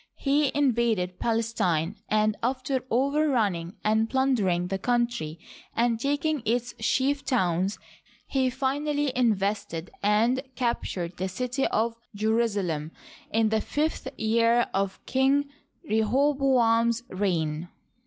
He invaded Palestine, and, after overrunning and plundering the country and taking its chief towns, he finally invested and captured the city of Jerusalem in the fifth year of King Rehoboam's reign.